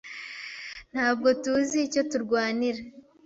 Ntabwo tuzi icyo turwanira.